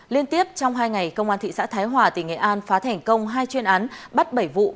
liên tiếp trong hai ngày công an thị xã thái hòa tỉnh nghệ an phá thành công hai chuyên án bắt bảy vụ